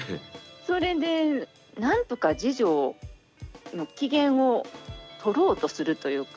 それで何とか次女の機嫌を取ろうとするというか。